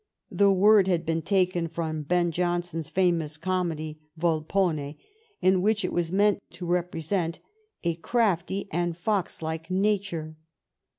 The word had been taken from Ben Jonson's famous comedy, " Volpone,'* in which it was meant to represent a crafty and fox like nature.